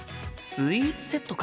スイーツセットか。